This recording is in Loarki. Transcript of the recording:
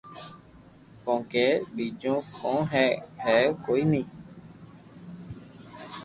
ڪونڪھ ٻآجو ڪون تو ھي ھي ڪوئي ني